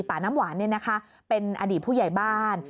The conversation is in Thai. ปาน้ำหวานเนี่ยนะคะเป็นอดีตผู้ใหญ่บ้าน